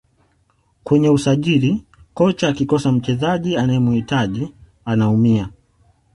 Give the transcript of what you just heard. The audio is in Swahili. kwenye usajili kocha akikosa mchezaji unayemhitaji unaumia